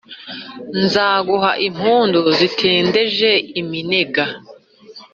nzaguha impundu zitendeje iminega